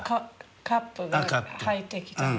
カップが入ってきたの。